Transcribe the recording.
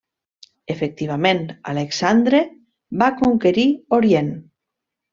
Efectivament, Alexandre va conquerir Orient.